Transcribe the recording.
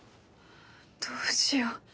どうしよう。